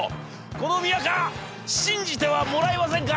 この宮河信じてはもらえませんか！』。